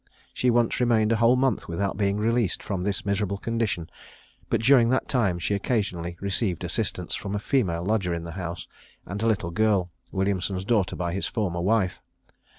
She once remained a whole month without being released from this miserable condition; but during that time she occasionally received assistance from a female lodger in the house, and a little girl, Williamson's daughter by his former wife.